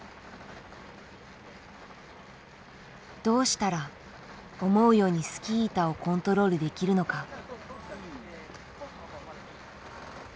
どうしたら思うようにスキー板をコントロールできるのか。